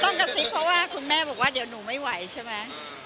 ต้องกระเสรีเพราะว่าคุณแม่บอกว่าเดี่ยวหนูไม่ไหวใช่มั้ย